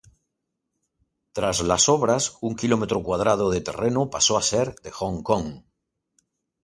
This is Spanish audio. Tras las obras, un kilómetro cuadrado de terreno pasó a ser de Hong Kong.